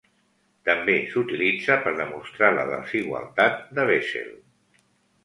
També s'utilitza per demostrar la desigualtat de Bessel.